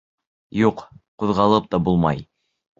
Юҡ, ҡуҙғалып та булмай.